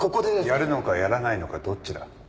やるのかやらないのかどっちだ？